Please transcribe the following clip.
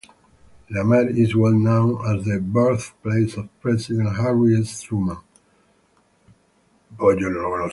Lamar is well known as the birthplace of President Harry S. Truman.